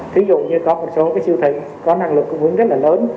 thí dụ như có một số cái siêu thị có năng lực cung ứng rất là lớn